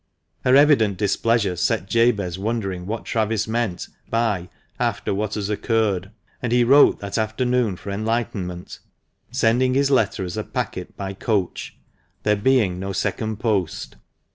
Her evident displeasure set Jabez wondering what Travis meant by " after what has occurred," and he wrote that afternoon for enlightenment, sending his letter as a packet by coach, there being no second post.